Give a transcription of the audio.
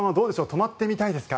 泊まってみたいですか？